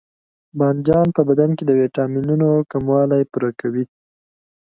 بانجان په بدن کې د ویټامینونو کموالی پوره کوي.